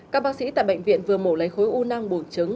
các bác sĩ tại bệnh viện vừa mổ lấy khối u nang bùn trứng